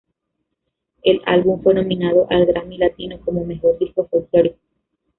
El álbum fue nominado al Grammy Latino como Mejor disco folclórico.